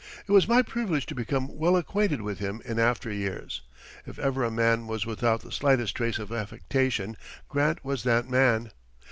It was my privilege to become well acquainted with him in after years. If ever a man was without the slightest trace of affectation, Grant was that man.